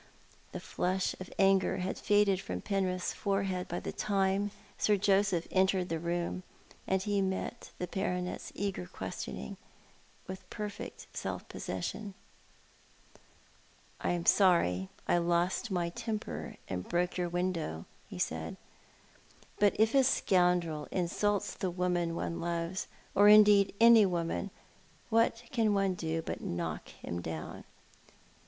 The flush of anger had faded from Penrith's forehead by the time Sir Joseph entered the room, and he met the baronet's eager questioning with perfect self possession. " I am sorry I lost my temper and broke your window," ho said; "but if a scoundrel insults the woman one loves — or indeed any woman — what can one do but knock him down